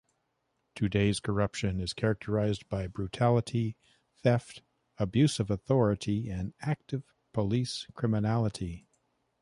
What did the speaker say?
Today's corruption is characterized by brutality, theft, abuse of authority and active police criminality.